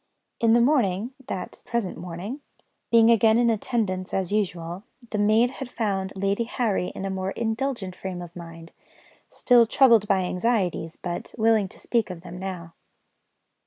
In the morning (that present morning), being again in attendance as usual, the maid had found Lady Harry in a more indulgent frame of mind; still troubled by anxieties, but willing to speak of them now.